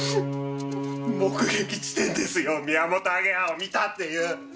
目撃地点ですよミヤモトアゲハを見たっていう！